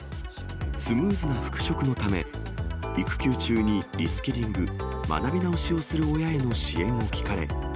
スムーズな復職のため、育休中にリスキリング・学び直しをする親への支援を聞かれ。